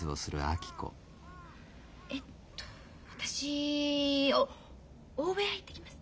えっと私大部屋行ってきます。